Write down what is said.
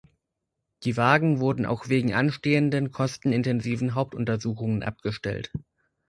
Die Wagen wurden auch wegen anstehenden kostenintensiven Hauptuntersuchungen abgestellt.